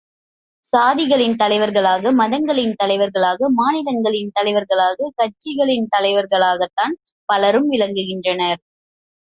சாதிகளின் தலைவர்களாக மதங்களின் தலைவர்களாக, மாநிலங்களின் தலைவர்களாக கட்சிகளின் தலைவர்களாகத்தான் பலரும் விளங்குகின்றனர்.